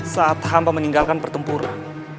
saat hamba meninggalkan pertempuran